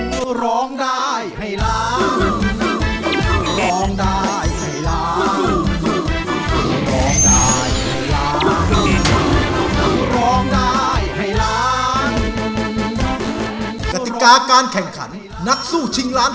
ต้องร้องได้ให้ร้าง